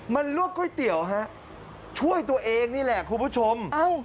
มันลวกก๋วยเตี๋ยวฮะช่วยตัวเองนี่แหละคุณผู้ชม